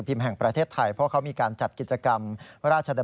กรณีนี้ทางด้านของประธานกรกฎาได้ออกมาพูดแล้ว